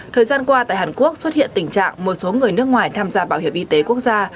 thời gian qua tại hàn quốc xuất hiện tình trạng một số người nước ngoài tham gia bảo hiểm y tế quốc gia